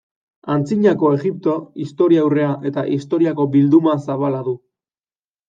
Antzinako Egipto, Historiaurrea eta Historiako bilduma zabala du.